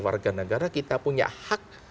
warga negara kita punya hak